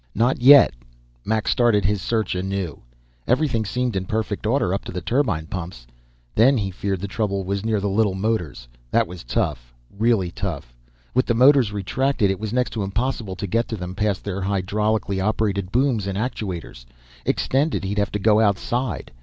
"Not yet." Mac started his search anew. Everything seemed in perfect order up to the turbine pumps. Then, he feared, the trouble was near the little motors. That was tough, really tough. With the motors retracted it was next to impossible to get to them, past their hydraulically operated booms and actuators. Extended, he'd have to go outside.